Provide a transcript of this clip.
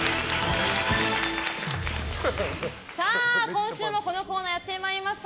今週もこのコーナーやってまいりました。